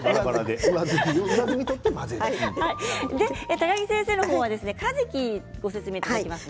高城先生の方はかじきをご説明いただきますね。